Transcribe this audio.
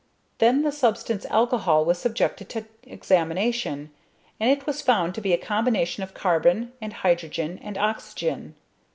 Then the substance alcohol was subjected to examination, and it was found to be a combination of carbon, and hydrogen, and oxygen.